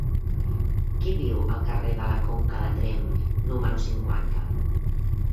Qui viu al carrer de la Conca de Tremp número cinquanta?